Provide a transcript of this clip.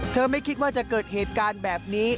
ไม่คิดว่าจะเกิดเหตุการณ์แบบนี้